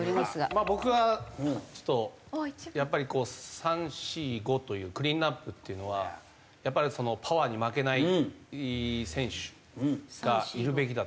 僕はちょっとやっぱりこう３４５というクリーンアップっていうのはやっぱりパワーに負けない選手がいるべきだと思って。